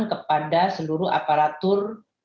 kepada seluruh aparatur